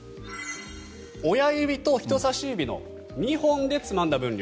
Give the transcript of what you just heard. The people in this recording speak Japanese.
親指と人さし指の２本でつまんだ分量。